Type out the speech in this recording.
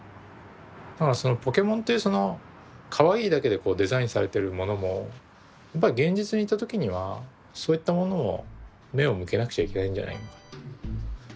だからポケモンっていうそのかわいいだけでデザインされてるものもやっぱり現実にいた時にはそういったものも目を向けなくちゃいけないんじゃないのか。